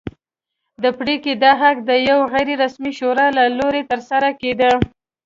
د پرېکړې دا حق د یوې غیر رسمي شورا له لوري ترلاسه کېده.